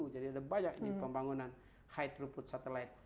jadi ada banyak pembangunan high throughput satelit